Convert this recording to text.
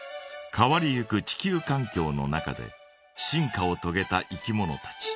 変わりゆく地球かん境の中で進化をとげたいきものたち。